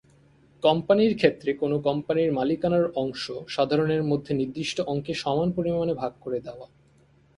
কোম্পানির ক্ষেত্রে কোন কোম্পানির মালিকানার অংশ সাধারণের মধ্যে নির্দিষ্ট অঙ্কে সমান পরিমাণে ভাগ করে দেয়া।